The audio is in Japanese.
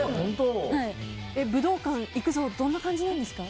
武道館行くぞどんな感じなんですか？